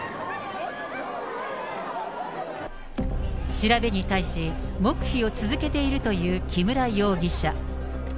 調べに対し、黙秘を続けているという木村容疑者。